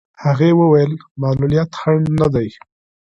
هغې وویل معلولیت خنډ نه دی.